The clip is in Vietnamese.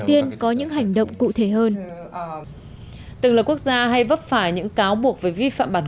tiên có những hành động cụ thể hơn từng là quốc gia hay vấp phải những cáo buộc về vi phạm bản